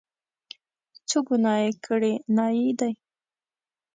څه ګناه یې کړې، نایي دی.